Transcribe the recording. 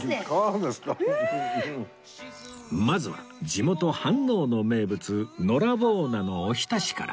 まずは地元飯能の名物のらぼう菜のおひたしから